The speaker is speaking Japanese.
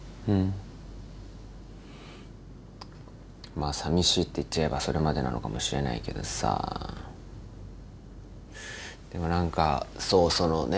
まあさみしいって言っちゃえばそれまでなのかもしれないけどさでも何かそうそのね